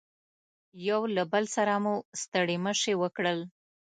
یو له بل سره مو ستړي مشي وکړل.